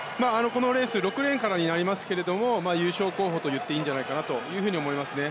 このレース６レーンからになりますけど優勝候補といってもいいんじゃないかなと思います。